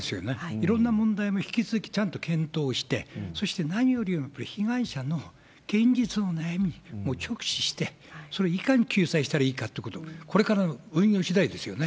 いろんな問題も引き続きちゃんと検討して、そして何よりもやっぱり被害者の現実の悩みに直視して、それをいかに救済したらいいかということ、これからの運用次第ですよね。